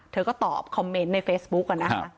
เธอก็ตอบคอมเมนต์ในเฟซบุ๊กอะนะคะ